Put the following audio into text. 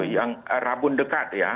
yang rabun dekat ya